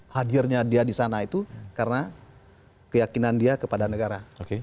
hadirnya dia di sana itu karena keyakinan dia kepada negara